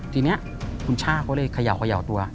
ทีนี้คุณช่าเขาเลยเขย่าตัว